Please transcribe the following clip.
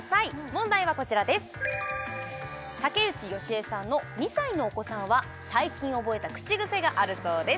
問題はこちらです竹内由恵さんの２歳のお子さんは最近覚えた口癖があるそうです